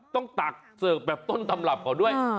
ต้องตักเสิร์ฟแบบต้นตำรับก่อนด้วย